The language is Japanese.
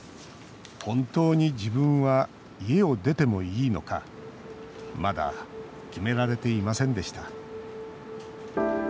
本当に自分は家を出てもいいのかまだ決められていませんでした。